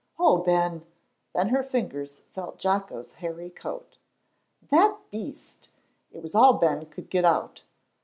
"Oh, Ben," then her fingers felt Jocko's hairy coat. "That beast!" It was all Ben could get out.